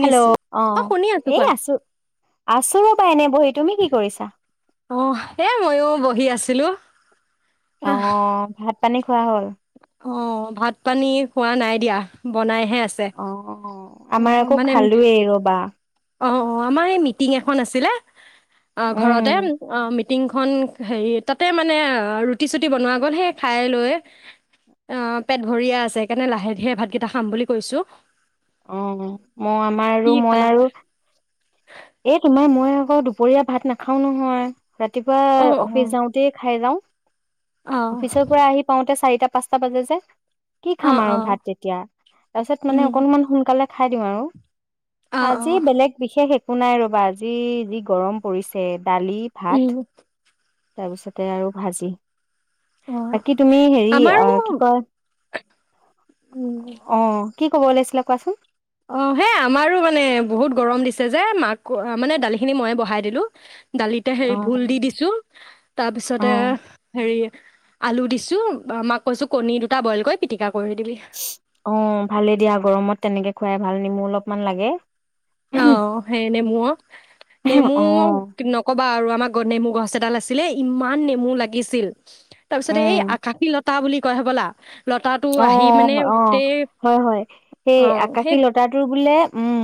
Hello অ শুনি এই কোৱা আছো আছো পাই এনে বহি তুমি কি কৰিছা অ এ মইও বহি আছিলো অ ভাত পানী খোৱা হ'ল অ ভাত পানী খোৱা নাই দিয়া বনাই অ আমাৰ আকৌ খালোয়েই ৰবা অ অ আমাৰ এই মিটিং এখন আছিলে অ উম। ঘৰতে অ টিংখন হেৰি তাতে মানে ৰুটি চুটি বনোৱা গ'ল সেই খাই লৈ অ পেট ভৰিয়ে আছে সেইকাৰণে লাহে ধীৰে ভাতকেইটা খাম বুলি কৈছো অ মই আমাৰ কি আৰু মই খালা বা আৰু এ তোমাৰ মই আকৌ দুপৰীয়া ভাত নাখাও নহয় ৰাতিপুৱা অ অ অফিচ যাওঁতে খাই যাওঁ অ অফিচৰ পৰা আহি পাওঁতে চাৰিটা পাঁচটা বাজে যে কি অ খাম আৰু অ ভাত তেতিয়া তাৰপিছত মানে উম অকনমান সোনকালে খাই দিওঁ আৰু অ অ আজি বেলেগ বিশেষ এক এক নাই ৰবা আজি যি গৰম পৰিছে দালি উম ভাত তাৰপিছতে আৰু ভাজি অ বাকী তুমি হেৰি আমাৰো আহ কি কয় উম অ কি ক'ব ওলাইছিলে কোৱাচোন অ সেই আমাৰো মানে বহুত গৰম দিছে যে মাক মানে দালিখিনি মইে বহাই দিলো দালিতে হেৰি অ। ভোল দি দিছো অ তাৰপিছতে হেৰি আলু দিছো মাক কৈছো কণী দুটা বইল কৰি পিটিকা কৰি দিবি অ ভালে দিয়া গৰমত তেনেকে খুৱাই ভাল নেমু অলপমান লাগে অ সেই নেমু অ নেমু অ নকব বা আৰু আমাৰ নেমু গছ এডাল আছিলে ইমান নেমু লাগিছিল তাৰপিছত উম এই আকাশী লত তাৰ বুলি কয় হ বলা অ অ হয় হয় সেই অ সেই আকাশী লতাটো বোলে উম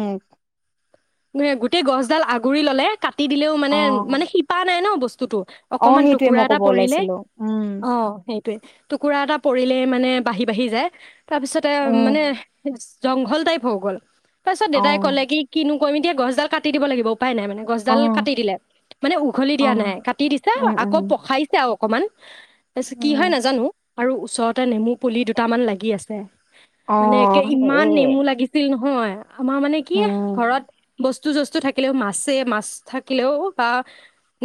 নে গোটেই গছডাল আগুৰি ললে ক কাটি দিলেও অ মানে মানে শিপা নাই ন বস্তু স্তুটো অ অকমান সেইটোৱে টুকুৰা মই এটা কব পৰিলে ওলাইছিলো উম অ সেইটয়ে টুকুৰা এটা পৰিলে মানে বাঢ়ি বাঢ়ি যায় তাৰপিছতে মানে উম জংঘল টাইপ হৈ গ'ল তাৰ পিছত অ দাদাই কলে কি কিনো কমি দিয়ে গছডাল কাটি দিব লাগিব পাই নাই মানে অ গছডাল কাটি দিলে মানে উঘলি অ দিয়া নাই কাটি দিছো উম আকৌ উম পখাইছে আ অকণমান ত কি উম হয় নাজানো আৰু ওচৰতে নেমু পুলি দুটামান লাগি আছে অ মানে একে ইমান এ নেমু লাগিছিল নহ হয় আমাৰ মানে কি ঘৰত উম বস্তু জস্তু থাকিলেও মাছে মাছ থাকিলেও বা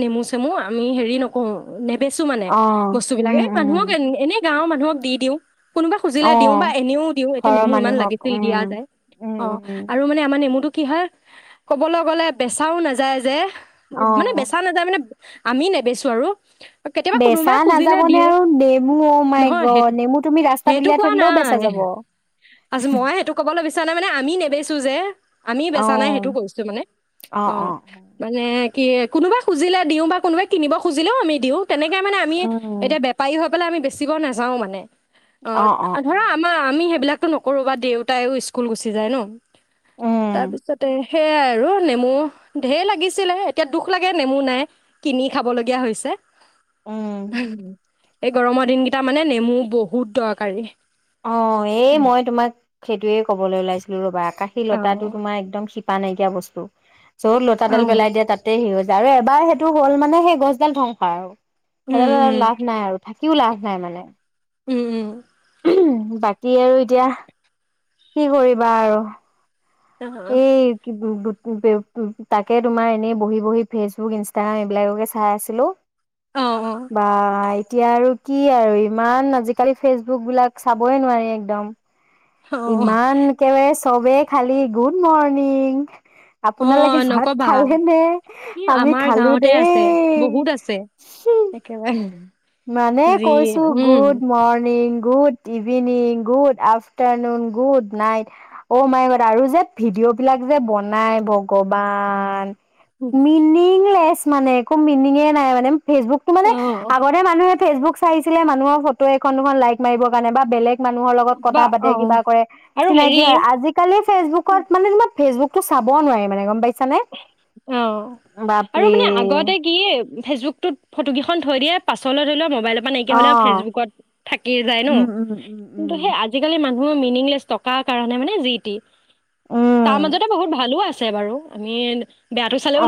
নেমু চেমু আমি হেৰি নকৰো বেচো মানে অ বস্তু বিলাক উম এই উম মানুহক এ এনে গাঁৱৰ মানুহক দিওঁ কোনোবা খুজিলে দিও অ বা এনেও দিওঁ এতিয়া ঘৰৰ নেমু ইমান মানুহক লাগিছিল উম। দিয়া যায় উম, অ উম। আৰু মানে আমাৰ নেমুটোক কিহৰ ক'বলৈ গ'লে বেচাও নাযায় যে মানে অ'। বেচা নাযায় মানে আমি নেবেচো আৰু কেতিয়াবা বেচা কোনোবাই খুজিলে নাযাবনে দিওঁ আৰু নেমু অ' মাই নহয় সেই গড নেমু তুমি ৰাস্তাত সেইটো উলিয়াই থৈ কোৱা দিলেও নাই বেচা যাব। আ মই সেইটো কবলৈ বিচৰা নাই মানে আমি নেবেচো যে আমি অ', বেচ ন সেইটো কৰিছো মানে অ মানে কি কোনোবা খুজিলে দিওঁ বা কোনোবাই কিনিব খুজিলেও আমি দিওঁ তেনেকে মানে আমি এতিয়া বেপাৰী হওক ইফালে আমি বেছিকৈ নাযাও মানে। অ ধৰা আমাৰ আমি সেইবিলাক নকৰো বা দেউতায়ো স্কুল গুচি যায় ন উম, তাৰপিছত তে সেয়াই আৰু নেমু ঢেৰ লাগিছিলে এতিয়া দুখ লাগে নেমু নাই কিনি খাবলগীয়া হৈছে। উম, হুম উ এই গৰমৰ দিনকেইটা মানে নেমু বহুত দৰকাৰী। অ এই উম। মই তোমাক সেইটোয়ে কবলৈ ওলাইছিলো ৰবা আকাশ আকাশী অ লতাটো তোমাৰ একদম শিপা নাইকিয়া বস্তু চ অ লতাডাল পেলাই দিয়া তাতে সি হৈ যায় আৰু এবাৰ সেইটো হ'ল মানে সেই গছডাল ধ্বংস আৰু উম সেইডালেৰে উম লাভ নাই আৰু থাকি। বিকীও লাভ নাই মানে। উম উম উমহু বাকী আৰু এতিয়া কি কৰিবা আৰু উম অ এই কি বু বু বেডটোত তাকে তোমাৰ এনেই বহি বহি ফেচবুক ইনষ্টাগ্ৰাম এইবিলাককে চাই আছিলো। অ', বাই এতিয়া আৰু কি আৰু ইমান আজিকালি ফেচবুক বিলাক চাবই নোৱাৰি একদম অ', অ', ইমান তেজ চবে খালি গুড মৰ্ণিং অ আপোনালোকে ভাত নকবা খালে নে এ আমি আমাৰ খালো গাঁৱতে আছে দেই বহুত আছে উমহু। একেবাৰে মানে যি কৈছো উম, good morning good evening good afternoon good night অ মাইগড আৰু যে ভিডিঅ' বিলাক যে বনাই ভগৱান। মিনিং লেচ মানে একো মিনিঙে নাই মানে ফেচবুকটো মানে অ', মানুহে ফেচবুক চাইছিলে মানুহৰ ফটো এখন দুখন লাইক মাৰিব কাৰণে বা বেলেগ মানুহৰ লগত বা কথা পাতে কিবা অ', কৰে আৰু হেৰি চিনাকি হয় আজি কালি ফেচবুকত মানে তোমাৰ ফেচবুকটো চাব নোৱাৰি মানে গম পাইছা নে অ আৰু মানে আগতে কি ফেচবুকটোত ফটোকেইখন থৈ দিয়ে পাছলৈ ধৰি লোৱা। মোবাইলৰ পৰা নাইকিয়া অ হলে ফেচবুকত থাকিয়ে যায় ন উম উম উম কিন্তু উম সেই আজি কালি মানুহ হুম মিনিংলেছ টকাৰ কাৰণে মানে জি তি তাৰ উম মাজতে বহুত ভালো আছে বাৰু আমিন অ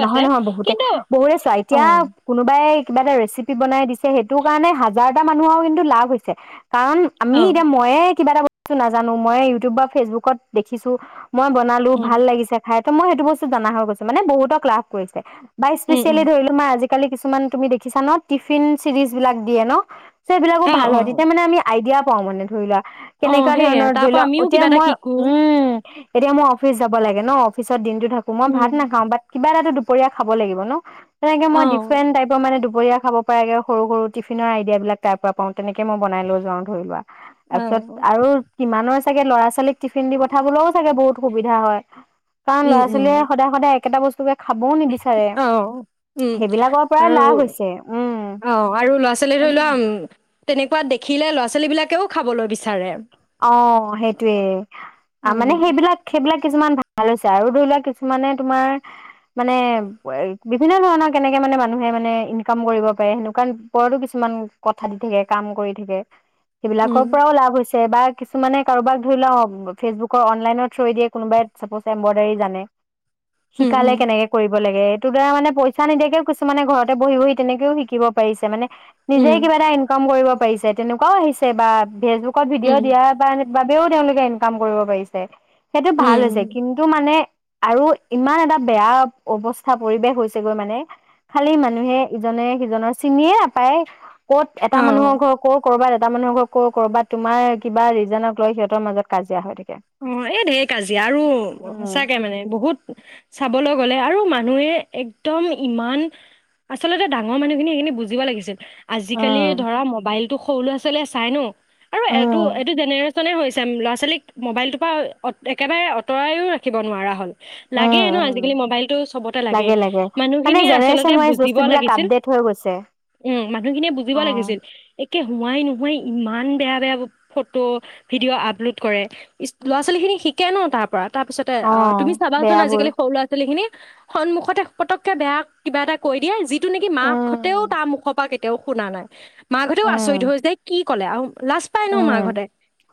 নহয় নহয় বহুতে কিন্তু বহুতে চোৱা এতিয়া অ', কোনোবাই কিবা এটা ৰেচিপি বনাই দিছে সেইটো কাৰণে হাজাৰটা মানুহৰও কিন্তু লাভ হৈছে কাৰণ আমি অ', এতিয়া মইয়ে কিবা এটা নাজানো মই ইউটিউব বা ফেচবুকত দেখিছো মই বনালো উম, ভাল লাগিছে খাই তো মই সেইটো বস্তু জনা হৈ গৈছো মানে বহুতক লাভ কৰিছে বা উম, স্পেচিয়েলি উম, ধৰিলো মই আজি কালি কিছুমান তুমি দেখিছা ন টিফিন চিৰিজ বিলাক দিয়ে ন সেইবিলাকো অ', ভাল অ'। হয় তেতিয়া মানে আমি আইডিয়া পাও মানে ধৰি লোৱা অ কেনেকুৱা সেইয়া ধৰণৰ তাৰ ধৰি ল পৰা আমিও এতিয়া কিবা এটা মই শিকো উম এতিয়া মই অফিচ যাব লাগে ন অফিচত দিনটো থাকো মই ভাত উম নাখাও ব কিবা এটাটো দিব দুপৰীয়া খাব লাগিব ন তেনেকে অ মই ডিফেণ্ট টাইপৰ মানে দুপৰীয়া খাব পৰাগে সৰু সৰু টিফিনৰ আইডিয়া বিলাক তাৰ পৰা পাওঁ তেনেকে মই বনাই লৈ যাওঁ ধৰি লোৱা অ তাৰপিছত আৰু কিমানৰ চাগে লৰা ছোৱালী টিফিন দি পঠাবলৈও চাগে বহুত সুবিধা হয় কা উম ল'ৰা উম আছিলে সদায় সদায় একটা বস্তু অ উম সেইবিলাকৰ পৰাই লাভ আৰু হৈছে উম অ আৰু লৰা ছোৱালী ধৰি লোৱা তেনেক পাত দেখিলে ল'ৰা ছোৱালী বিলাকেও খাবলৈ বিচাৰে অ সেইটোৱে উম মানে সেইবিলাক সেইবিলাক কিছুমান ভাল হৈছে আৰু ধৰি লোৱা কিছুমানে তোমাৰ মানে বিভিন্ন ধৰণৰ কেনেকে মানে মানুহে মানে ইনকাম কৰিব পাৰে সেনেকুৱা ওপৰতো কিছুমান কথা দি থাকে কাম কৰি থাকে উম সেইবিলাকৰ পৰাও লাভ হৈছে বা কিছুমানে কাৰোবাক ধৰি লও ফেচবুকৰ অনলাইনৰ থৈ দিয়ে কোনোবাই চ এম্ব্ৰইডাৰী জানে উম শিকালে কেনেকে কৰিব লাগে তোৰ দাৰা মানে পইচা নিদিয়াকে কিছুমান ঘৰতেহি বহি তেনেকেও শিকিব পাৰিছে মানে নিজে উম কিবা এটা ইনকাম কৰিব পাৰিছে তেনেকুৱাও আহিছে বা ফেচবুক কুৱা উম উম ভিডিঅ' দিয়া বা এনেকুৱা ও তেওঁলোকে ইনকাম কৰিব পাৰিছে। সেইটো ভাল উম হৈছে। আৰু ইমান এটা বেয়া অৱস্থা পৰিৱেশ হৈছে গৈ মানে খালি মানুহে ইজনে সিজনৰ চিনিয়ে নাপায়। ক'ত এটা অ মানুহৰ ঘৰ ক' ক'ৰবাত মানুহক ক'ৰবাত তোমাৰ কিবা ৰিজনক লৈ সিহতৰ মাজত কাজিয়া হয় থাকে। অ' এই দৰি কাজিয়া আৰু উম সঁচাকে মানে বহুত চাবলৈ গ'লে আৰু মান মানুহে একদম ইমান আচলতে ডাঙৰ মানুহখিনি সেইখিনি বুজিব লাগিছিল। আজিকালি উম ধৰা মোবাইল ত সৰু ল'ৰা ছোৱালীয়ে চাই ন? আৰু এইটো উম এইটো জেনেশ্বন হৈছে ল'ৰা ছোৱালীক মোবাইলটোৰ পৰা একেবাৰে আঁতৰাইয়ো ৰাখিব নোৱাৰা হ'ল। লাগে উম ন উম আজিকালি মবাইলতটো চবতে লাগে মানে মানুহখিনিয়ে জেনেৰেচন আচলতে ৱাইজ বুজিব বস্তুবিলাক লাগিছিল আপডেট হৈ গৈছে। উম মানুহখিনিয়ে বুজিব অ লাগিছিল একে হোৱাই নোহোৱাই ইমান বেয়া বেয়া ফটো ভিডিঅ' আপলোড কৰে। ই ল'ৰা ছোৱালীখিনি শিকে ন তাৰ পৰা। তাৰপিছতে অ' তুমি চাবাচোন আজিকালিৰ সৰু লৰা ছোৱালীখিনি সন্মুখতে পতককে বেয়া কিবা এটা কৈ দিয়ে যি এইটো নেকি উম মাকহতেও ত মুখৰ পৰা তেওঁ শুনা নাই মাকহঁতেও উম আচৰিত হয় যায় কি কলে আৰু লাজ পাই ন উম মাৰ ঘতে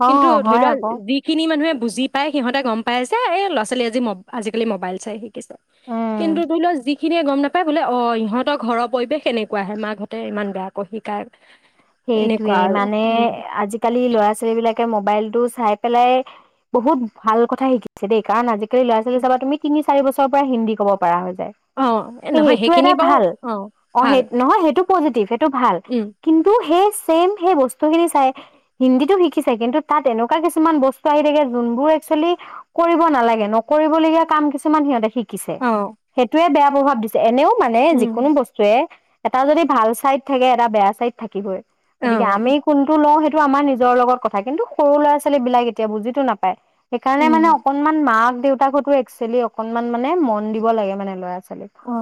অ কিন্তু ধৰি হয় লোৱা আকৌ যি মানুহে বুজি পায় সিহঁতে গম পাই যে এই ল'ৰা ছোৱালী আজি আজিকালি মবাইল চাই সি উম কিন্তু ধৰি লোৱা যি সেইখিনিয়ে গম নাপায় বোলে অ' ইহঁতৰ ঘৰৰ পৰিৱেশ এনেকুবা হে মাকহঁতে ইমান বেয়াাকৈ শিকায় এনেকুৱা সেইটোয়ে আৰু মানে উম আজিকালি ল'ৰা ছোৱালী বিলাকে মোবাইলতো চাই পেলাই বহুত ভাল কথা শিকিছে দেই কাৰণ আজি ল' ছোৱালী চাবা তুমি চাৰি বছৰ পৰা হিন্দী ক'ব পৰা হয়। অ এ নহয় সেইটো এটা সেইখিনি বাৰু ভাল অ' সেই ভাল নহয় সেইটো পজিটিভ সেইটো ভাল উম কিন্তু সেই চেম সেই বস্তু খিনি চাই হিন্দীতো শিকিছে কিন্তু তাত এনেকুৱা কিছুমান বস্তু আহি থাকে যোনবোৰ একচুৱেলি কৰিব নালাগে নকৰিবলগীয়া কাম কিছুমান সিহঁতে কিছে অ সেইটোৱে বেয়া প্ৰভাৱ দিছে এনেও মানে উম যিকোনো বস্তুৱে এটা যদি ভাল চাইদ থাকে এটা বেয়া চাইড থাকিবই অ গতিকে আমি কোনটো লওঁ সেইটো টো আমাৰ নিজৰ লগত কথা কিন্তু সৰু ল'ৰা ছোৱালী বিলাক এতিয়া বুজিতো নাপায় সেইকাৰণে উম মানে অকনমান মাক দেউতাকতো একচুৱেলি অকনমান মানে মন দিব লাগে মানে ল'ৰা ছোৱালীক অ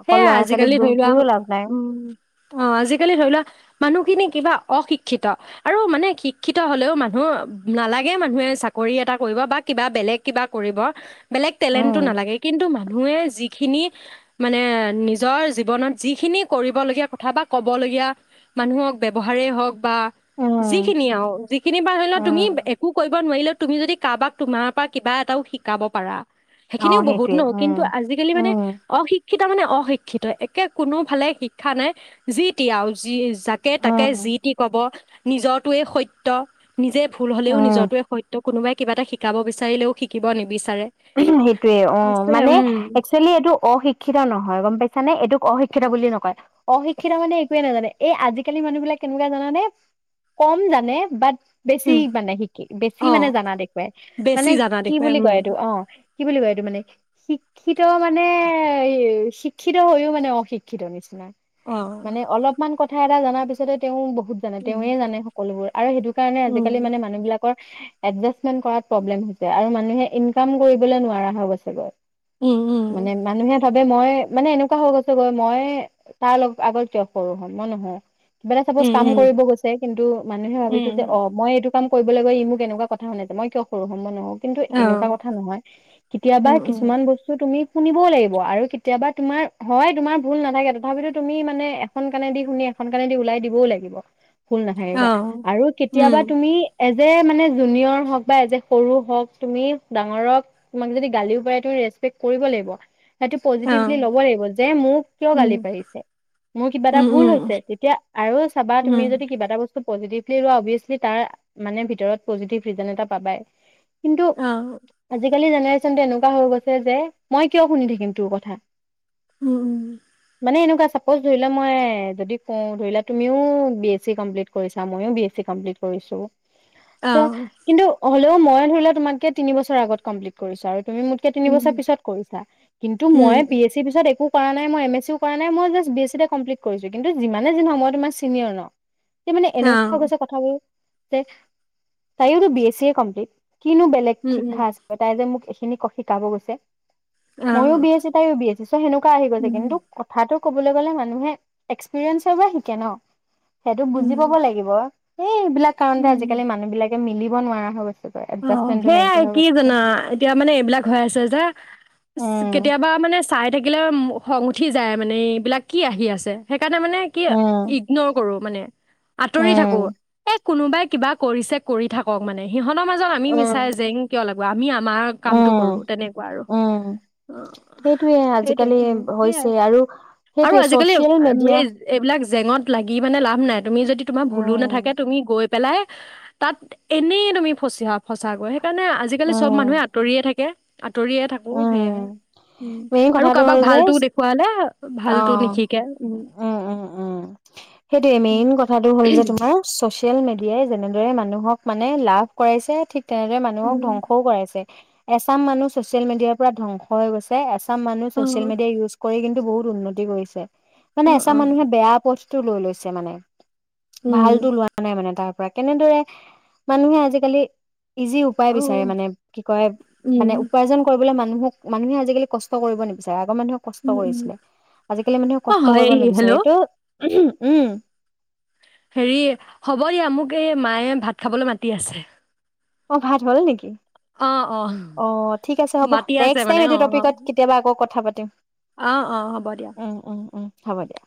অকল সেইয়াই ল'ৰা ছোৱালীক আজিকালি দুখ ধৰি লোৱা দিও লাভ নাই উম অ আজিকালি ধৰি লোৱা মানুহখিনি কিবা অশিক্ষিত আৰু মানে শিক্ষিত হলেও মানুহ নালাগে মানুহে চাকৰি এটা কৰিব বা কিবা বেলেগ কিবা কৰিব বেলেগ টেলেণ্টো উম, নালাগে কিন্তু মানুহে যি খিনি মানে নিজৰ জীৱনত যিখিনি কৰিবলগীয়া কথা বা ক'বলগীয়া মানুহক ব্যবহাৰে হওক বা উম, যিখিনি আৰু যিখিনি বা ধৰি লও তুমি উম, একো কৰিব নোৱাৰিলে তুমি যদি কাৰোবাক তোমাৰ পৰা কিবা এটাও শিকাব পাৰা অ', সেইখিনিও বহুত সেইটোৱে ন উম। কিন্তু আজিকালি মানে উম, অশিক্ষত সি তাৰমানে অশিক্ষিত একে কোনো ফালে শিক্ষা নাই যি তি আও যি যাকে তাকে উম, যি টি কব নিজটোৱেই সত্য নিজে ভুল হ'লেও উম, নিজটোৱেই সত্য কোনোবাই কিবা এটা শিকাব বিচাৰিলেও শিকিব নিবিছা সেইটোয়ে অ মানে একচুৱেলি এইটো অশিক্ষিত নহয় গম পাইছা নে এইটোক অশিক্ষিত বুলি নকয় অশিক্ষিত মানে একোৱে নাজানে এই আজিকালি মানুহ বিলাক কেনেকুৱা জানানে কম জানে বাট বেছি উম মানে শিকি বেছি অ মানে জানা দেখুৱাই বেছি মানে জানা কি দেখুৱাই বুলি উম কয় এইটো অ কি বুলি কয় এইটো মানে শিক্ষিত মানে শিক্ষিত হৈও মানে অশিক্ষিত নিচিনা অ মানে অলপমান কথা কথা এটা জনাৰ পিছতে তেওঁ বহুত বহুত জানে উম তেওঁৱে জানে সকলোবোৰ আৰু সেইটো কাৰণে আজিকালি মানে মানুহ বিলাক এডজাষ্ট মেণ্ট কৰাত প্ৰব্লেম হৈছে আৰু মানুহে ইনকাম কৰি নোৱাৰা হৈ গৈছে গে আৰু উম উম মানে মানুহে ভাবে মই মানে এনেকুৱা হৈ গৈছোঁগে মই তাৰ লগত আগত [inaudible] কৰো হ মই নহয় চ উম কাম উম কৰিব গৈছে কিন্তু মানুহে উম ভাবিছে যে উম অ' মই এইটো কাম কৰিব লাগে ই মোক এনেকুৱা কথা শুনাইছে মই কিয় সৰু হম মই নহও কিন্তু অ এনেকুৱা কথা নহয়। কেতিয়াবা উম উম কিছুমান বস্তুত তুমি শুনিবই লাগিব আৰু কেতিয়াবা তোমাৰ হয় তোমাৰ ভুল নাথাকে তথাপিতো তুমি মানে এখন কণেদি শুনি এখন কণেদি ওলাই দিবও লাগিব। ভুল অ নাথাকাকে আৰু কেতিয়াবা উম তুমি এজ এ মানে জুনিয়ৰ হওক বা এজ এ সৰু হওক তুমি ডাঙৰক তোমাক যদি গালিও পাৰে তুম ৰেচপেক্ট কৰিব লাগিব। সেইটো অ পজিটিভলি ল'ব লাগিব যে মোক কিয় উম গালি পাৰিছে মোৰ কিবা এটা উম ভুল উম হৈছে তেতিয়া আৰু চাবা তুমি উম যদি কিবা এটা বস্তু পজিটিভলি লোৱা অবিছলি তাৰ মানে ভিতৰত পজিটিভলি ৰিজন এটা পাবায়ে। কিন্তু অ আজিকালি আজিকালি জেনেৰে্চনটো এনেকুৱা হৈ গৈছে যে মই কিয় শুনি থাকিম তোৰ কথা। উম উম। মানে এনেকুৱা চাপোজ ধৰি লোৱা মই যদি কওঁ ধৰি ল তুমিও বি এছ চি কমপ্লিট কৰিছা মইও বি এছ চি কমপ্লিট কৰিছো। চ কিন্তু হ'লেও মই ধৰি লোৱা তোমাতকে তিনি বছৰ আগত কমপ্লিট কৰিছো আৰু। তুমি মোতকে তিন বছৰ পিছত কৰিছা কিন্তু মই বিএছ চি পিছত একো পাৰা নাই মই এম এচ চিয়ো কৰা নাই, মই জাষ্ট বি এচ চি তে কমপিল্ট কৰিছোঁ। কিন্তু যিমানেই যি নহক মই তোমাৰ চিনিয়ৰ ন। তে মানে এনেকুৱা গৈছে কথাবোৰ তে তাইয়োতো বি এছ চি এ কম্প্লিট। কিনো বেলেগ উম শিক্ষা আছে? মোক এইখিনি ক শিকাব গৈছে। আহ মইয়ো বি এ চি, তাইও বি এ চি। চো সেনেকুৱা আহি গৈছে উম কিন্তু কথাটো ক'ব গলে মানুহে এক্সপিৰিয়েঞ্চৰ পৰা শিকে ন। সেইটো বুজি উম পাব লাগিব। এই বিলাক কাৰণতে উম আজিকালি মানুহ বিলাকে মিলি ব নোৱাৰা হৈ গৈছে। কি কয়, এডজাষ্টমেনতো নাইকিয়া হৈ গৈছে। না এতিয়া মানে এইবিলাক হৈ আছে যে উম, কেতিয়াবা মানে চাই থাকি এইবিলাক খং উঠি যায় মানে এইবিলাক কি আহি আছে? সেইকাৰণে মানে কি উম, ইগনৰ কৰোঁ মানে আঁতৰি থাকোঁ। উম। কোনোবাই কিবা কৰিছে কৰি থাকক মানে সিহঁত তহঁতৰ মাজত আমি মিছাই উম। জেং কিয় লাগো। আমি আমাৰ কামতটো কৰোঁ উম, তেনেকুৱা আৰু উম, সেইটোয়ে সেইটোৱে আজিকালি উম, সেইয়াই হৈছে আৰু আৰু সেইটোৱে আজিকালি ছচিয়েল মিডিয়া এই এইবিলাক জেঙত লাগি মানে লাভ নাই, তুমি যদি তোমাৰ ভুলো উম, নাথাকে তুমি গৈ পেলাই তাত এনেই তুমি ফচিহা, ফচাগৈ সেইকাৰণে আজিকালি চ'ব মানুহে উম, আঁতৰিয়েই থাকে। আঁতৰিয়ে থাকো উম, সেয়াই উম মেইন আৰু কথাটো কাৰোবাক হ'ল যে ভালটো দেখুৱালে ভালটো অ' নিশিকে উম, উম, উম সেইটোৱে উম মেইন কথাটো হ'ল যে তোমাৰ ছ'চিয়েল মিডিয়াই যেনেদৰে মানুহক মানে লাভ কৰাইছে ঠিক তেনেদৰে মানুহক উম, ধ্বংসও কৰাইছে। এচাম মানুহ ছ'চে ছ'চিয়েল মিডিয়াৰ পৰা ধবংস হৈ গৈছে এছ এচাম মানুহ অ ছচিয়েল মিডিয়া ইউচ কৰি কিন বহু উন্নতি কৰিছে মানে অ এচা অ মানুহে বেয়া পথ টো লৈ লৈছে মানে ভাল উম টো লোৱা নাই মানে তাৰ পৰা কেনেদৰে মানুহে আজিকালি ইজি উপায় অ বিচাৰে মানে কি কয় উম মানে কষ্ট কৰিবলে মানুহক মানুহে আজিকালি কষ্ট কৰিব নিবিচাৰে আ গ মানুহে কষ্ট উম উম কৰিছিলে আজিকালি মানুহে অ কষ্ট হয় কৰিব হেল্ল' নিবিচাৰে এইটো উহো উম হেৰি হ'ব দিয়া মোক এই মায়ে ভাত খাবলে মাতি আছে অ ভাত হল নেকি? অ ঠিক আছে হ'ব মাতি আছে নেক্স টাইম মানে এইটো অ অ টপিকত কেতিয়াবা আকৌ কথা পাত তিম। অ অ হ'ব দিয়া। হব দিয়া।